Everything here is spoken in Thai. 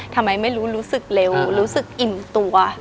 ทำไมไม่รู้รู้สึกเร็วรู้สึกอิ่มตัว